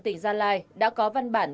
tỉnh gia lai đã có văn bản